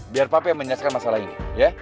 biar papi yang menyelesaikan masalah ini ya